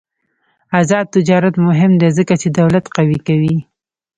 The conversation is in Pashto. آزاد تجارت مهم دی ځکه چې دولت قوي کوي.